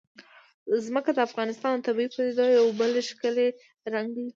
ځمکه د افغانستان د طبیعي پدیدو یو بل ښکلی رنګ دی.